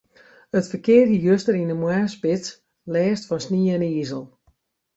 It ferkear hie juster yn de moarnsspits lêst fan snie en izel.